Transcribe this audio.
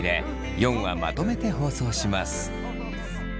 ４話まとめて放送します。